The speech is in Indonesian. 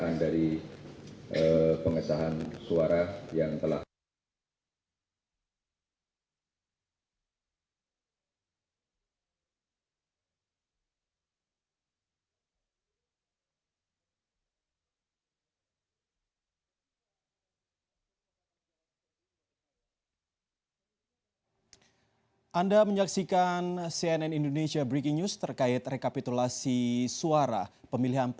nlaras marifwarahei rurugi deskripsi ini